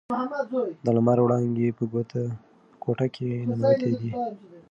د لمر وړانګې په کوټه کې ننووتې دي.